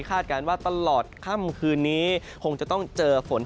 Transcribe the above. การว่าตลอดค่ำคืนนี้คงจะต้องเจอฝน